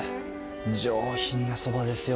上品なそばですよ。